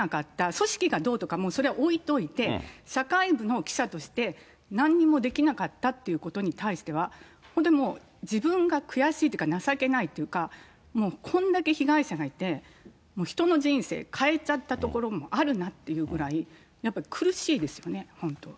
組織がどうとか、それはもう置いといて、社会部の記者としてなんにもできなかったってことに対しては、本当にもう自分が悔しいというか、情けないというか、こんだけ被害者がいて、もう人の人生変えちゃったところもあるなっていうぐらい、やっぱり苦しいですよね、本当。